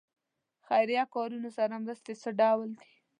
خیریه کارونو سره مرستې څو ډوله دي.